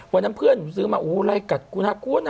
วันนั้นเพื่อนสื้อมาโอ้โหไร่กัดกูน่ากลัวน่ากลัว